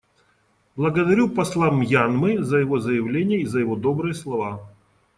Благодарю посла Мьянмы за его заявление и за его добрые слова.